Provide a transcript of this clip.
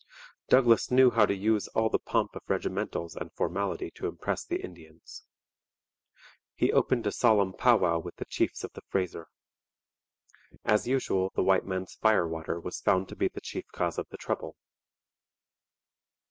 Douglas knew how to use all the pomp of regimentals and formality to impress the Indians. He opened a solemn powwow with the chiefs of the Fraser. As usual, the white man's fire water was found to be the chief cause of the trouble.